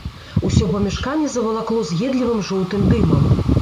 Усё памяшканне завалакло з'едлівым жоўтым дымам.